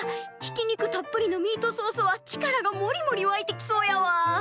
ひき肉たっぷりのミートソースは力がもりもりわいてきそうやわ。